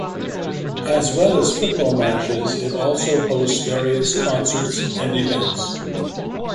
As well as football matches, it also hosts various concerts and events.